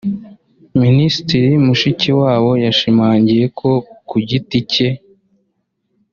Minisitiri Mushikiwabo yashimangiye ko ku giti cye